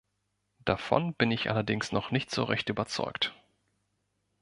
Davon bin ich allerdings noch nicht so recht überzeugt.